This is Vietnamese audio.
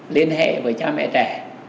liên hệ với cha mẹ trẻ